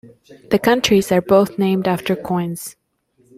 The countries are both named after coins.